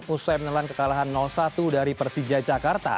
usai menelan kekalahan satu dari persija jakarta